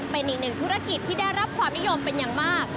เป็นอีกหนึ่งธุรกิจที่ได้รับความนิยมเป็นอย่างมาก